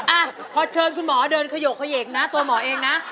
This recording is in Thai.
อ่ะพอเชิญคุณหมอเดินขยกเขยกนะตัวหมอเองนะ